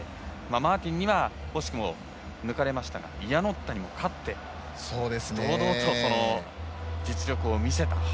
マーティンには惜しくも抜かれましたがイアノッタにも勝って堂々と実力を見せた。